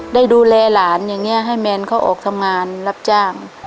ได้ดูแลหลานอย่างนี้ให้แมนเขาออกทำงานรับจ้าง